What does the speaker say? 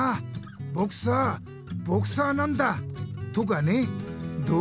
「ぼくさあボクサーなんだ」とかね！どう？